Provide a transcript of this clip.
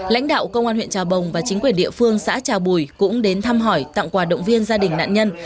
lãnh đạo công an huyện trà bồng và chính quyền địa phương xã trà bùi cũng đến thăm hỏi tặng quà động viên gia đình nạn nhân